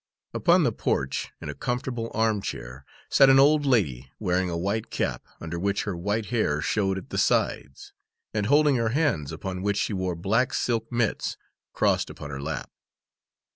Upon the porch, in a comfortable arm chair, sat an old lady, wearing a white cap, under which her white hair showed at the sides, and holding her hands, upon which she wore black silk mits, crossed upon her lap.